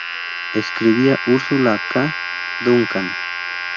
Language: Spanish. Escribía Ursula K. Duncan.